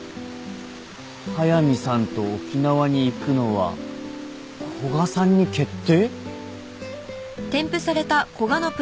「速見さんと沖縄に行くのは古賀さんに決定！」